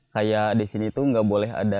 kayak di sini tuh nggak boleh ada